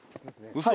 嘘？